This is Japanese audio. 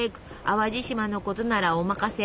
淡路島のことならお任せ。